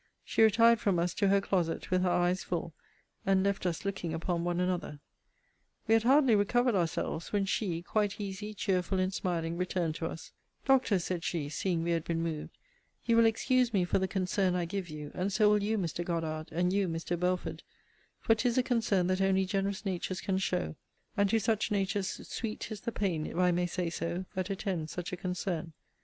She retired from us to her closet with her eyes full; and left us looking upon one another. We had hardly recovered ourselves, when she, quite easy, cheerful, and smiling, returned to us: Doctor, said she (seeing we had been moved) you will excuse me for the concern I give you; and so will you, Mr. Goddard, and you, Mr. Belford; for 'tis a concern that only generous natures can show: and to such natures sweet is the pain, if I may say so, that attends such a concern.